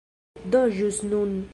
Do ĵus nun